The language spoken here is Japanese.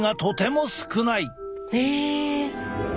へえ！